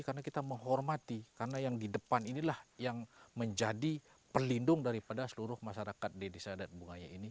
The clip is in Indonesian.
karena kita menghormati karena yang di depan inilah yang menjadi perlindung daripada seluruh masyarakat di desa adat bungaya ini